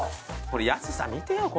これ安さ見てよ